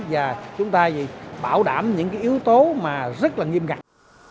và chúng ta bảo đảm những yếu tố rất nghiêm cạnh